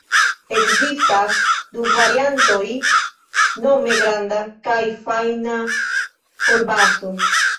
Ekzistas du variantoj nome granda kaj fajna kolbaso.